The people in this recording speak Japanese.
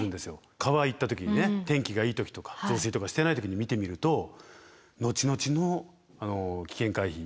川行った時にね天気がいい時とか増水とかしてない時に見てみると後々の危険回避学びになるかもしれないですよね。